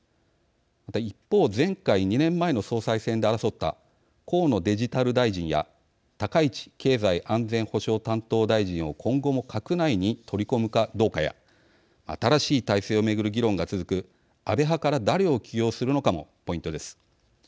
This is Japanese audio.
一方、前回２年前の総裁選で争った河野デジタル大臣や高市経済安全保障担当大臣を今後も閣内に取り込むかどうかや新しい体制を巡る議論が続く安倍派から誰を起用するのかもポイントです。